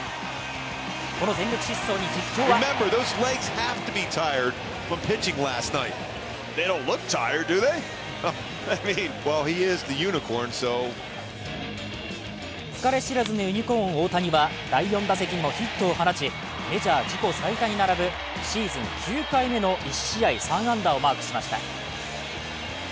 この全力疾走に実況は疲れ知らずのユニコーン大谷は第４打席にもヒットを放ちメジャー自己最多に並ぶシーズン９回目の１試合３安打をマークしました。